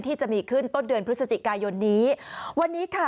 ที่จะมีขึ้นต้นเดือนพฤศจิกายนนี้วันนี้ค่ะ